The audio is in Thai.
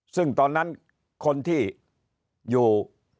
ซึ่งตอนนั้นคนที่อยู่